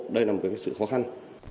đây là một sự khó khăn